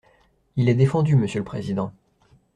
Il est défendu, monsieur le Président.